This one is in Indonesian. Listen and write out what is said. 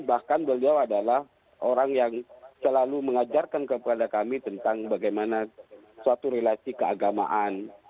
bahkan beliau adalah orang yang selalu mengajarkan kepada kami tentang bagaimana suatu relasi keagamaan